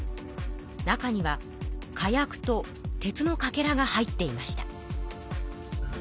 中には火薬と鉄のかけらが入っていました。